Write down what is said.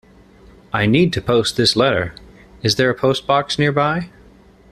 I need to post this letter. Is there a postbox nearby?